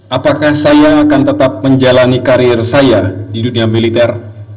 apakah saya akan tetap menjalani karir saya di dunia militer